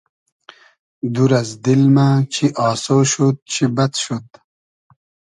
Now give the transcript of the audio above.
دور از دیل مۂ چی آسۉ شود چی بئد شود